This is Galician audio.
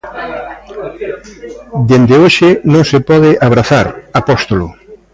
Dende hoxe non se pode abrazar Apóstolo.